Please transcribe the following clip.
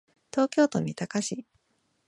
東京都三鷹市